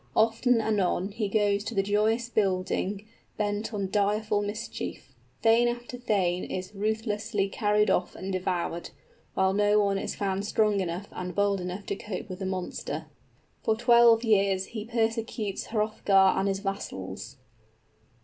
Oft and anon he goes to the joyous building, bent on direful mischief. Thane after thane is ruthlessly carried off and devoured, while no one is found strong enough and bold enough to cope with the monster. For twelve years he persecutes Hrothgar and his vassals.